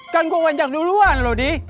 kan gue wanjak duluan loh di